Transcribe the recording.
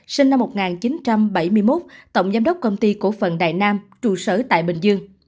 sinh năm một nghìn chín trăm bảy mươi một tổng giám đốc công ty cổ phần đại nam trụ sở tại bình dương